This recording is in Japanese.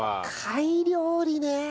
貝料理ね。